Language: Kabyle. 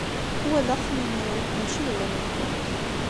Wa d axemmem-iw mačči d win-nkent.